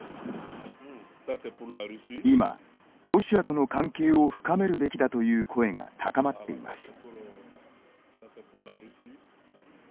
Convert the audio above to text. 今、ロシアとの関係を深めるべきだという声が高まっています。